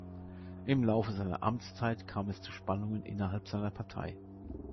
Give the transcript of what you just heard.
Im Laufe seiner Amtszeit kam es zu Spannungen innerhalb seiner Partei.